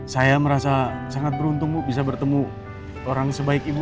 saya merasa sangat beruntung bu bisa bertemu orang sebaik ibu